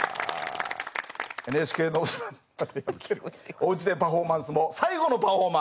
「ＮＨＫのど自慢おうちでパフォーマンス」も最後のパフォーマー。